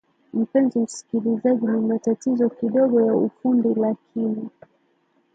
mpenzi msikilizaji ni matatizo kidogo ya ufundi lakini